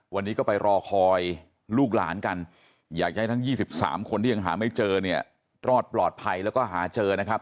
วันนี้ก็ไปรอคอยลูกหลานกันอยากจะให้ทั้ง๒๓คนที่ยังหาไม่เจอเนี่ยรอดปลอดภัยแล้วก็หาเจอนะครับ